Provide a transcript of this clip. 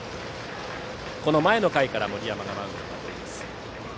この前の回から森山がマウンドに上がっています。